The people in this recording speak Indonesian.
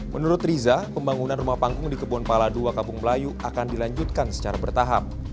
menurut riza pembangunan rumah panggung di kebun pala ii kabung melayu akan dilanjutkan secara bertahap